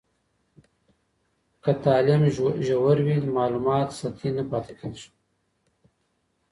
که تعلیم ژور وي، معلومات سطحي نه پاته کېږي.